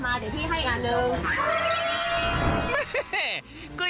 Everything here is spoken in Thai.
มาเดี๋ยวพี่ให้อีกอันเลย